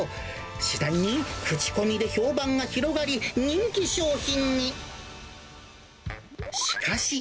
次第に口コミで評判が広がり、人気商品に。